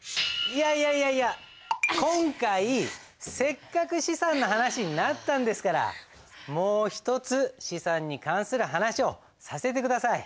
いやいや今回せっかく資産の話になったんですからもう一つ資産に関する話をさせて下さい。